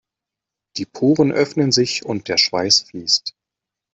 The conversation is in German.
Die Poren öffnen sich und der Schweiß fließt.